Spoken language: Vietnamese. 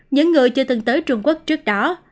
những người chưa từng tới trung quốc trước đó